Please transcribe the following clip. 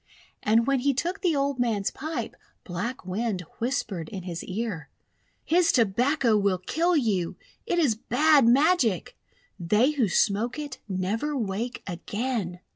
And when he took the old man's pipe, Black Wind whispered in his ear: — 'His Tobacco will kill you! It is bad magic! They who smoke it never wake again!'